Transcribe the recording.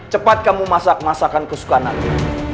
cepat kamu masak masakan kesukaan ini